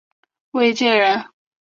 卫玠人。